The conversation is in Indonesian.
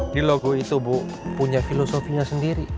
di logo itu bu punya filosofinya sendiri